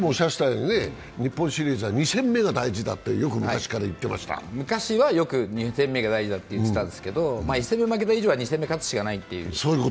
日本シリーズは２戦目が大事だとよく昔から言っていました昔はよく２戦目が大事だと言ってたんですけど１戦目負けたから２戦目、勝つしかないっていう。